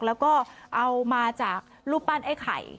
แล้วก็เอามาจากรูปปั้นไอ้ไข่